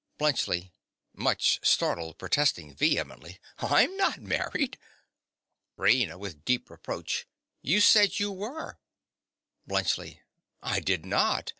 BLUNTSCHLI. (much startled protesting vehemently). I'm not married. RAINA. (with deep reproach). You said you were. BLUNTSCHLI. I did not.